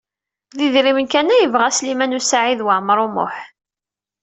D idrimen kan ay yebɣa Sliman U Saɛid Waɛmaṛ U Muḥ.